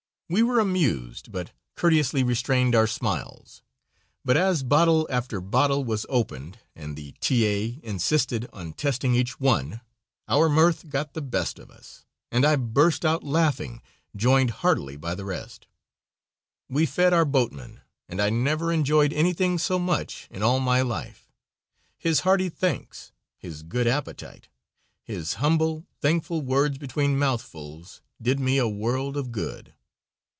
We were amused, but courteously restrained our smiles; but as bottle after bottle was opened, and the T. A. insisted on testing each one, our mirth got the best of us, and I burst out laughing, joined heartily by the rest. We fed our boatman, and I never enjoyed anything so much in all my life. His hearty thanks, his good appetite, his humble, thankful words between mouthfuls, did me a world of good.